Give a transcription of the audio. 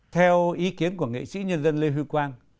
theo ý kiến của nghệ sĩ nhân dân lê huy quang